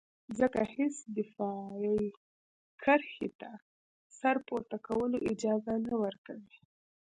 ځکه هېڅ دفاعي کرښې ته د سر پورته کولو اجازه نه ورکوي.